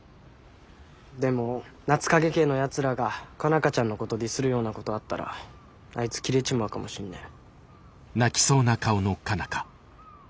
でも夏影家のやつらが佳奈花ちゃんのことをディスるようなことあったらあいつキレちまうかもしんねえ。